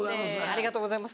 ありがとうございます。